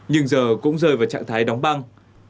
nhưng giờ cũng rơi vào trạng thái đóng băng